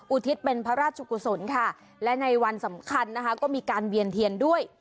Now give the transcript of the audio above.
อุทิศเป็นพระราชกุศลค่ะและในวันสำคัญนะคะก็มีการเวียนเทียนด้วย